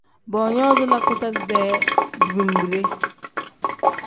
Boonyoozi lakuta-dee dibimbide.